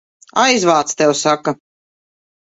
Aizvāc, tev saka!